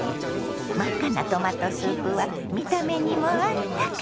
真っ赤なトマトスープは見た目にもあったか。